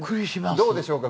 どうでしょうか？